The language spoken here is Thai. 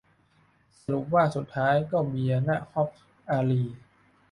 สรุปว่าสุดท้ายก็เบียร์ ณ ฮ็อบส์ อารีย์